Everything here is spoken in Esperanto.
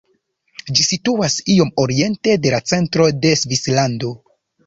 Ĝi situas iom oriente de la centro de Svislando.